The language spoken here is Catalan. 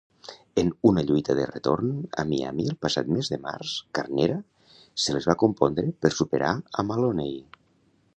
En una lluita de retorn, a Miami el passat mes de març, Carnera se les va compondre per superar a Maloney.